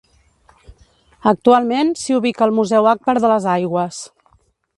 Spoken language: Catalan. Actualment s'hi ubica el Museu Agbar de les Aigües.